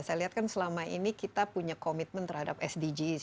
saya lihat kan selama ini kita punya komitmen terhadap sdgs